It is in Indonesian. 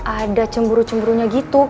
ada cemburu cemburunya gitu